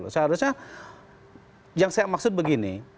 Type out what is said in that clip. seharusnya yang saya maksud begini